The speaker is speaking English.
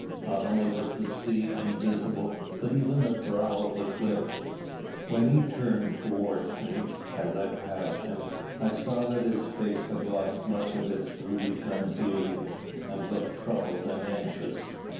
Not only was the sea invisible, but even the brow of the cliffs. When he turned towards me, as I passed him, I saw that his face had lost much of its rubicund hue, and looked troubled and anxious.